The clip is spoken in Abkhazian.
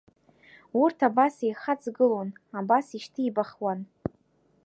Урҭ абас еихаҵгылон, абас ишьҭибахуан.